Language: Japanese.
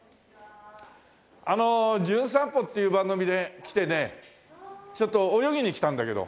あの『じゅん散歩』っていう番組で来てねちょっと泳ぎに来たんだけど。